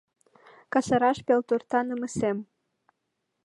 Касараш пелторта намысем.